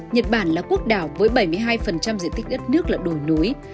nhật bản là quốc đảo với bảy mươi hai diện tích đất nước là đồi núi